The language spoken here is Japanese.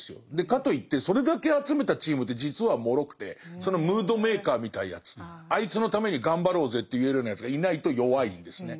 かといってそれだけ集めたチームって実はもろくてそのムードメーカーみたいなやつあいつのために頑張ろうぜって言えるようなやつがいないと弱いんですね。